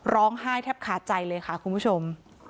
ร้องไห้แทบขาดใจเลยค่ะคุณผู้ชม